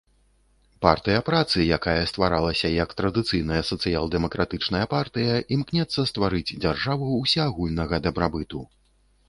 Партыя працы, якая стваралася як традыцыйная сацыял-дэмакратычная партыя, імкнецца стварыць дзяржаву ўсеагульнага дабрабыту.